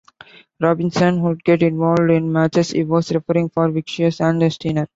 Robinson would get involved in matches he was refereeing for Vicious and Steiner.